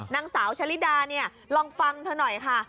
นางสาวชะลิดาลองฟังเถอะหน่อยค่ะ